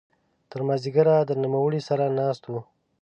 تر ماذیګره د نوموړي سره ناست وو.